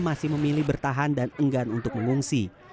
masih memilih bertahan dan enggan untuk mengungsi